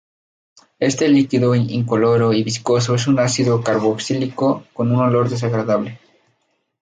Este líquido incoloro y viscoso es un ácido carboxílico con un olor desagradable.